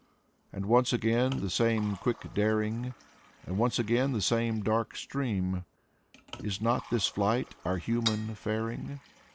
And once again the same quick daring, And once again the same dark stream. .•• Is not this flight our human faring?